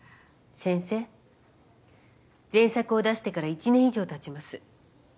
先生前作を出してから１年以上たちます。